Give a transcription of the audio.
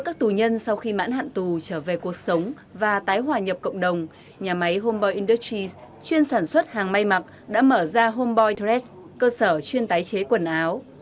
các tù nhân sau khi mãn hạn tù trở về cuộc sống và tái hòa nhập cộng đồng nhà máy homebo industries chuyên sản xuất hàng may mặc đã mở ra homeboi therest cơ sở chuyên tái chế quần áo